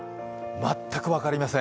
全く分かりません。